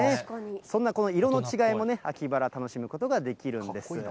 そんなこの色の違いもね、秋バラ、楽しむことができるんです。